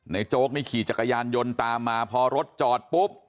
โจ๊กนี่ขี่จักรยานยนต์ตามมาพอรถจอดปุ๊บ